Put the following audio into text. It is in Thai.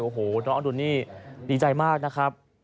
โอ้โหน้องอดุลนี่ดีใจมากนะครับ